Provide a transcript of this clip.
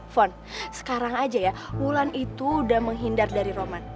sekarang aja ya wulan itu udah menghindar dari roman